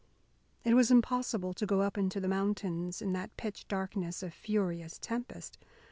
It was impossible to go up into the mountains in that pitch darkness of furious tempest.